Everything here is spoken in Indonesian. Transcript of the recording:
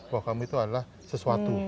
bahwa kamu itu adalah sesuatu